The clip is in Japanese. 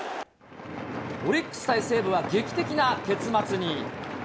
オリックス対西武は劇的な結末に。